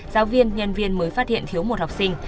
giáo viên nhân viên mới phát hiện thiếu một học sinh